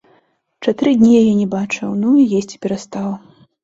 Чатыры дні яе не пабачыў, ну, і есці перастаў.